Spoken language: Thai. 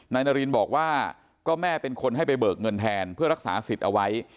นารินบอกว่าก็แม่เป็นคนให้ไปเบิกเงินแทนเพื่อรักษาสิทธิ์เอาไว้